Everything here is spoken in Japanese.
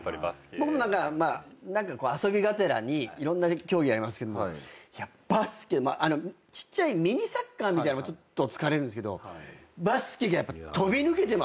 僕も何か遊びがてらにいろんな競技やりますけどいやバスケちっちゃいミニサッカーみたいなのも疲れるんですけどバスケがやっぱ飛び抜けてますね。